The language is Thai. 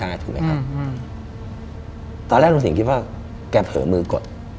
ไม่ได้ถูกไหมครับตอนแรกลุงสิ่งคิดว่าแกเผลอมือกด